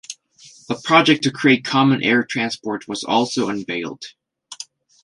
A project to create common air transport was also unveiled.